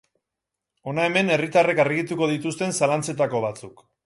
Hona hemen herritarrek argituko dituzten zalantzetako batzuk.